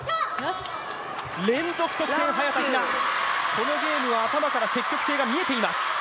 このゲームは頭から積極性が見えています。